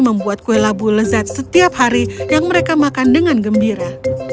membuat kue labu lezat setiap hari yang mereka makan dengan gembira